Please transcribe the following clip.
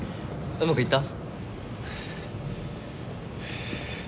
うまくいった？